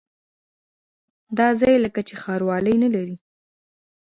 دا ځای لکه چې ښاروالي نه لري.